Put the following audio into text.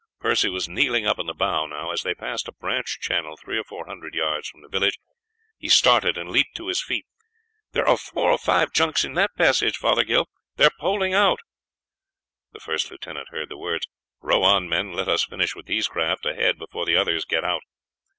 Percy was kneeling up in the bow now. As they passed a branch channel three or four hundred yards from the village, he started and leaped to his feet. "There are four or five junks in that passage, Fothergill; they are poling out." The first lieutenant heard the words. "Row on, men; let us finish with these craft ahead before the others get out.